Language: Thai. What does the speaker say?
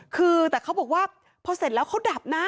คือแต่เขาบอกว่าพอเสร็จแล้วเขาดับนะ